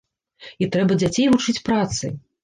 І трэба дзяцей вучыць працы.